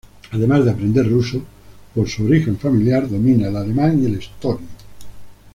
Además de aprender ruso, por su origen familiar, domina el alemán y el estonio.